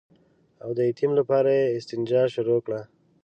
او د تيمم لپاره يې استنجا شروع کړه.